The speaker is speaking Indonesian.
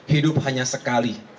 hidup hanya sekali